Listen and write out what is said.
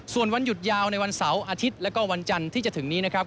ส่วนวันหยุดยาวในวันเสาร์อาทิตย์แล้วก็วันจันทร์ที่จะถึงนี้นะครับ